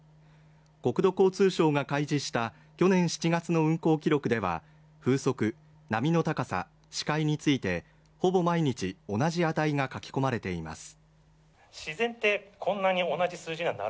国土交通省が開始した去年７月の運航記録では風速、波の高さ視界についてほぼ毎日同じ値が書き込まれています